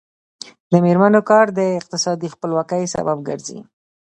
د میرمنو کار د اقتصادي خپلواکۍ سبب ګرځي.